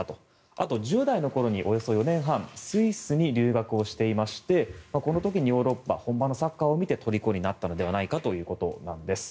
あと、１０代の頃におよそ４年半スイスに留学していましてこの時にヨーロッパ本場のサッカーを見てとりこになったのではないかということなんです。